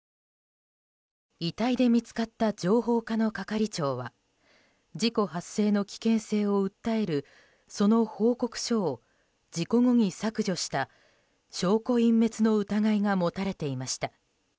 遺体で見つかった情報課の係長は事故発生の危険性を訴えるその報告書を事故後に削除した証拠隠滅の疑いが持たれていました。